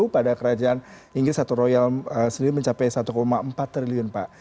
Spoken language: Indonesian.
pada kerajaan inggris atau royal sendiri mencapai satu empat triliun pak